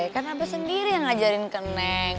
kan abah sendiri yang ngajarin ke neng